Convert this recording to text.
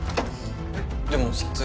えっでも撮影。